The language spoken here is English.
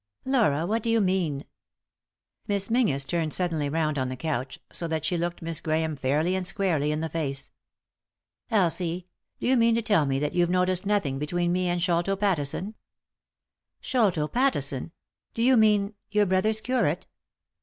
" Laura, what do you mean ?" Miss Menzies turned suddenly round on the couch, so that she looked Miss Grahame fairly and squarely in the face. " Elsie, do you mean to tell me that you've noticed nothing between me and Sholto Pattisou ?"" Sholto Pattison ? Do you mean — your brother's curate?"